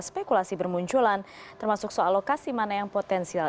spekulasi bermunculan termasuk soal lokasi mana yang potensial